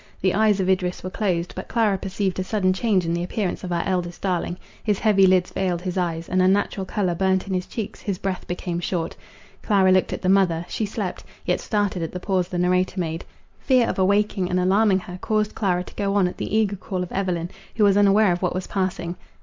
The eyes of Idris were closed: but Clara perceived a sudden change in the appearance of our eldest darling; his heavy lids veiled his eyes, an unnatural colour burnt in his cheeks, his breath became short. Clara looked at the mother; she slept, yet started at the pause the narrator made— Fear of awakening and alarming her, caused Clara to go on at the eager call of Evelyn, who was unaware of what was passing.